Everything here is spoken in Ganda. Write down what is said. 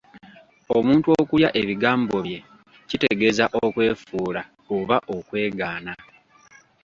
Omuntu okulya ebigambo bye kitegeeza okwefuula oba okwegaana.